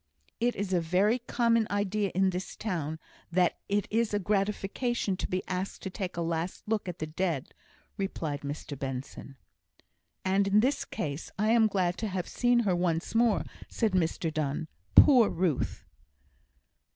"It is a very common idea in this town, that it is a gratification to be asked to take a last look at the dead," replied Mr Benson. "And in this case I am glad to have seen her once more," said Mr Donne. "Poor Ruth!"